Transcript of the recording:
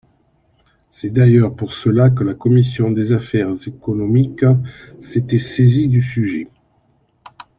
C’est d’ailleurs pour cela que la commission des affaires économiques s’était saisie du sujet.